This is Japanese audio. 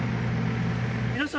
皆さん